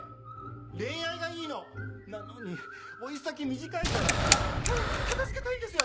恋愛がいいの！なのに老い先短いからって早く片付けたいんですよ